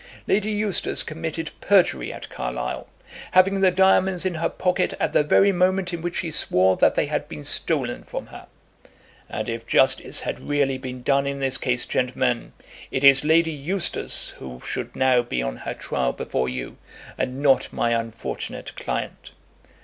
Lady Eustace committed perjury at Carlisle, having the diamonds in her pocket at the very moment in which she swore that they had been stolen from her. And if justice had really been done in this case, gentlemen, it is Lady Eustace who should now be on her trial before you, and not my unfortunate client.